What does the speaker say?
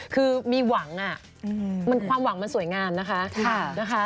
คือมีหวังความหวังมันสวยงามนะคะ